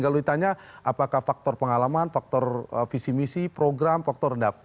kalau ditanya apakah faktor pengalaman faktor visi misi program faktor rendah